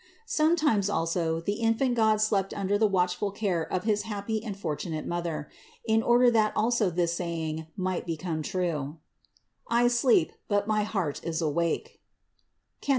Sometimes, also, the infant God slept under the watchful care of his happy and fortunate Mother; in order that also this saying might become true : "I sleep, but my heart is awake" (Cant.